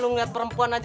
lo ngelihat perempuan aja